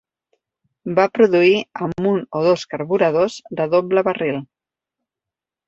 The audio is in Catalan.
Va produir amb un o dos carburadors de doble barril.